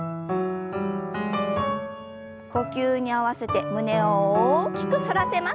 呼吸に合わせて胸を大きく反らせます。